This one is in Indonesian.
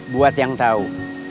buat yang tau